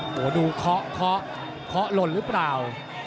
โหดูเคาะเคาะหล่นหรือเปล่า